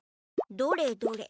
どれどれ？